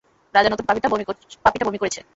রাজা, নতুন পাপিটা বমি করেছে।